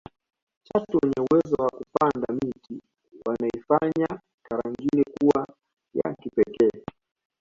chatu wenye uwezo wa kupanda miti waneifanya tarangire kuwa ya kipekee